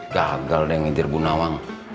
gagal deh ngindir bu nawang